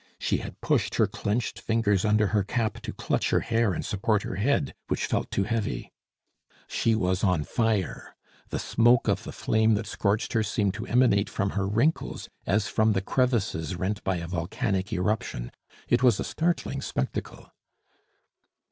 She had pushed her clenched fingers under her cap to clutch her hair and support her head, which felt too heavy; she was on fire. The smoke of the flame that scorched her seemed to emanate from her wrinkles as from the crevasses rent by a volcanic eruption. It was a startling spectacle.